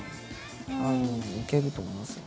いけると思いますよ。